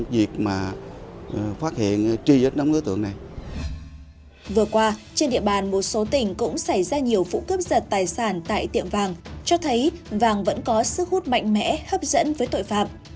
vừa qua trên địa bàn một số tỉnh cũng xảy ra nhiều vụ cướp giật tài sản tại tiệm vàng cho thấy vàng vẫn có sức hút mạnh mẽ hấp dẫn với tội phạm